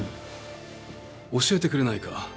教えてくれないか？